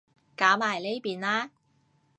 搞埋呢邊啦